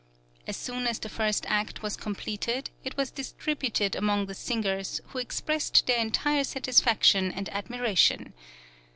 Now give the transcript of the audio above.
As soon as the first act was completed it was distributed among the singers, who expressed their entire satisfaction and admiration.